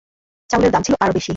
চাউলের দাম ছিল আরো বেশি।